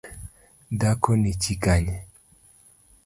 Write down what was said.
Dhakoni chi Kanye?